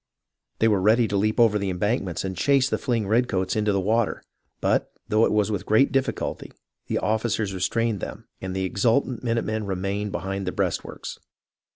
They were ready to leap over the embankments and chase the fleeing redcoats into the water ; but, though it was with great difficulty, the officers restrained them, and the exultant minute men remained behind the breastworks.